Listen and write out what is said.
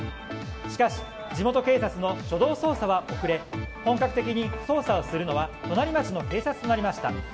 しかし地元警察の初動捜査は遅れ本格的に捜査をするのは隣町の警察となりました。